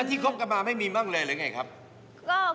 แล้วที่เขากลับมาไม่มีบ้างเลยหรืออย่างไรครับ